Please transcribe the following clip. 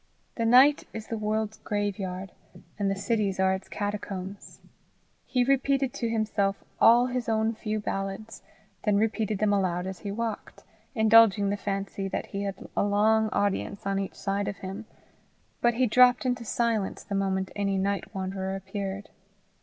The night is the world's graveyard, and the cities are its catacombs. He repeated to himself all his own few ballads, then repeated them aloud as he walked, indulging the fancy that he had a long audience on each side of him; but he dropped into silence the moment any night wanderer appeared.